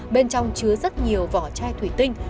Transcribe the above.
bên trong chứa rất nhiều vỏ chai thủy tinh